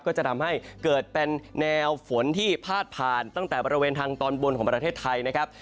ก็จะทำให้เกิดเป็นแนวฝนที่พาดผ่านตั้งแต่บริเวณทางตอนบนของประเทศไทยนะครับ